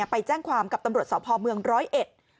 ไปแจ้งความกับตำรวจสพเมืองร้อยเอ็ด